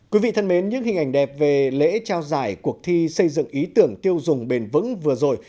quý vị thân mến những hình ảnh đẹp về lễ trao giải cuộc thi xây dựng ý tưởng tiêu dùng bền vững vừa rồi